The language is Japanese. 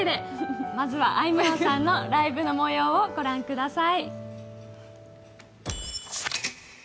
まずはあいみょんさんのライブの模様を御覧ください。